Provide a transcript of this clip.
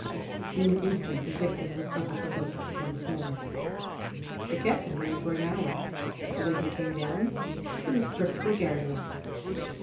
In an instant the victim was up at the hook once more. They kept him there for an hour, but when he came down he was perfectly garrulous.